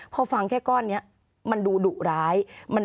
พอฟังแค่ก้อนนี้มันดูดุร้าย